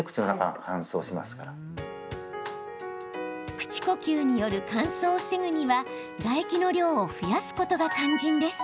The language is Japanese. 口呼吸による乾燥を防ぐには唾液の量を増やすことが肝心です。